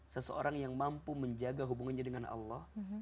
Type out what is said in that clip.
seseorang yang mampu menjaga hubungannya dengan allah